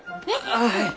あっはい！